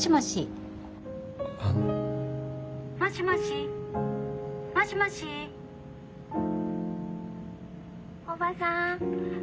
☎おばさん。